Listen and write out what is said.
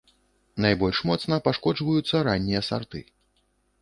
Найбольш моцна пашкоджваюцца раннія сарты.